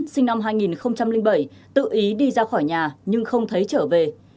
sinh năm hai nghìn bảy tự ý đi ra khỏi nhà nhưng không thấy trở về